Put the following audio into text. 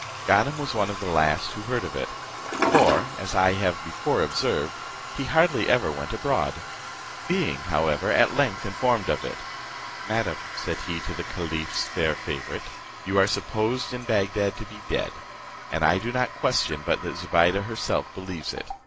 Ganem was one of the last who heard of it; for, as I have before observed, he hardly ever went abroad. Being, however, at length informed of it, "Madam," said he to the caliph's fair favourite, "you are supposed in Bagdad to be dead, and I do not question but that Zobeide herself believes it.